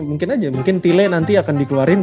mungkin aja mungkin tile nanti akan dikeluarin